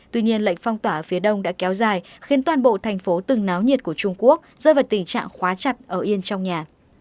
tuy nhiên lệnh phong tỏa ở phía đông đã kéo dài khiến toàn bộ thành phố từng náo nhiệt của trung quốc rơi vào tình trạng khóa chặt ở yên trong nhà